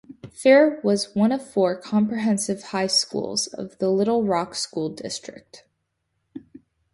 Fair was one of four comprehensive high schools of the Little Rock School District.